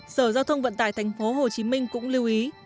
sở giao thông vận tải tp hcm cũng lưu ý